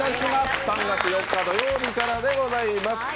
３月４日土曜日からでございます。